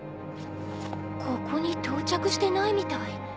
ここに到着してないみたい。